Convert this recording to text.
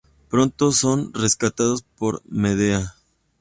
Pronto son rescatados por Medea.